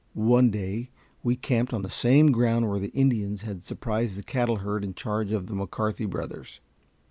One day we camped on the same ground where the Indians had surprised the cattle herd in charge of the McCarthy brothers.